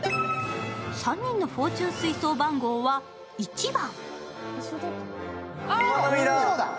３人のフォーチュン水槽番号は１番。